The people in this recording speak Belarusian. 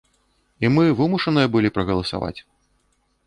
І мы вымушаныя былі прагаласаваць.